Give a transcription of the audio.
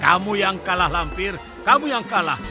kamu yang kalah lampir kamu yang kalah